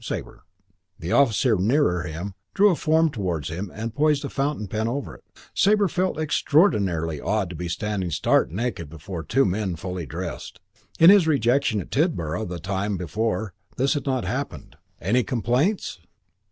"Sabre." The officer nearer him drew a form towards him and poised a fountain pen over it. Sabre felt it extraordinarily odd to be standing stark naked before two men fully dressed. In his rejection at Tidborough the time before this had not happened. "Any complaints?"